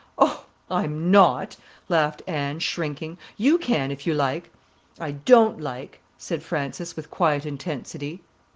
"Oh—I'm not," laughed Anne, shrinking. "You can, if you like." "I don't like," said Frances, with quiet intensity.